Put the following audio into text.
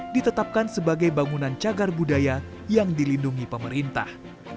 ditetapkan sebagai bangunan cagar budaya yang dilindungi pemerintah